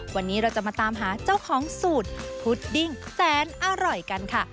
วันนี้เราจะมาตามหาเจ้าของสูตรพุดดิ้งแสนอร่อยกันค่ะ